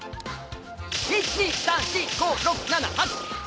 １２３４５６７８。